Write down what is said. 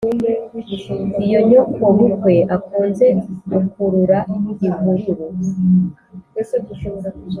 Iyo nyokobukwe akunze ukurura ihururu.